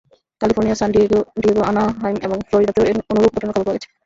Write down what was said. ক্যালিফোর্নিয়ার San Diego, Anaheim এবং ফ্লোরিডাতেও অনুরূপ ঘটনার খবর পাওয়া গেছে।